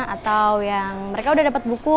atau yang mereka udah dapat buku